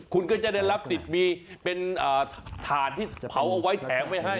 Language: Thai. คุณก็จะได้รับสิทธิ์มีเป็นถ่านที่เผาเอาไว้แถมไว้ให้